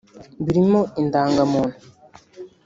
birimo indangamuntu